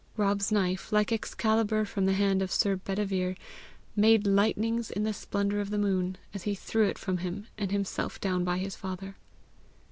Rob's knife, like Excalibur from the hand of Sir Bedivere, "made lightnings in the splendour of the moon," as he threw it from him, and himself down by his father.